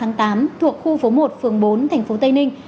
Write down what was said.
công an tám thuộc khu phố một phường bốn thành phố tây ninh